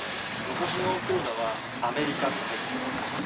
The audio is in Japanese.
昔の黒田は「アメリカ！」って入ってたと思うんだ。